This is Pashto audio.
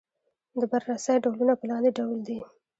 د بررسۍ ډولونه په لاندې ډول دي.